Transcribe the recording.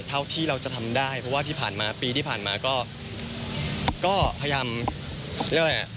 เท่าที่เราจะทำได้เพราะว่าที่ผ่านมาปีที่ผ่านมาก็พยายามเรียกอะไรอ่ะ